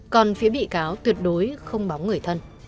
còn phía bị cáo tuyệt đối không bóng người thân